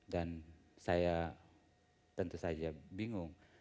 dan saya tentu saja bingung